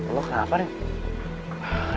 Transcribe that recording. lo kenapa reddit